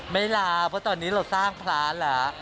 ไม่ลาเพราะตอนนี้เราสร้างพระแล้ว